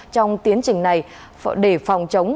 trong tiến trình này để phòng chống